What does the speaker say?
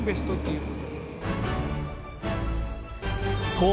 そう！